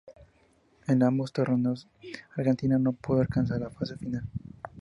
En ambos torneos Argentina no pudo alcanzar la fase final.